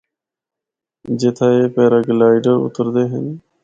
جِتھا اے پیرا گلائیڈر اُتّردے ہن۔